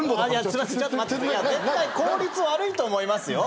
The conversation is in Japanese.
絶対効率悪いと思いますよ。